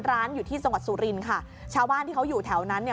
ร้านอยู่ที่จังหวัดสุรินค่ะชาวบ้านที่เขาอยู่แถวนั้นเนี่ย